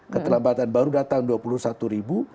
keterlambatan baru datang dua puluh satu ribu